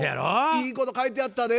いいこと書いてあったで。